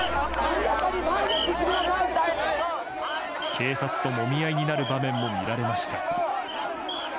警察ともみ合いになる場面も見られました。